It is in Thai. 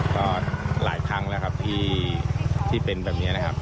ก็หลายครั้งแล้วครับที่เป็นแบบนี้นะครับ